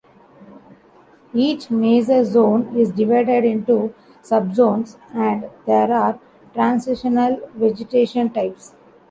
Each major zone is divided into subzones, and there are transitional vegetation types.